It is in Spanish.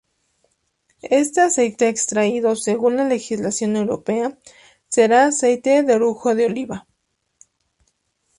Este aceite extraído, según la legislación europea, será aceite de orujo de oliva.